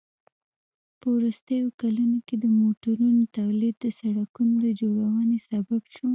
په وروستیو کلونو کې د موټرونو تولید د سړکونو د جوړونې سبب شو.